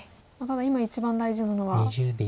ただ今一番大事なのは。